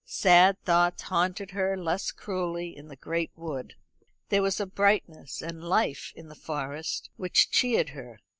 Sad thoughts haunted her less cruelly in the great wood. There was a brightness and life in the Forest which cheered her.